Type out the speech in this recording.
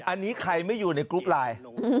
อันนี้ใครไม่อยู่ในกรุ๊ปไลน์